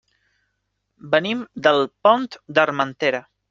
Venim del Pont d'Armentera.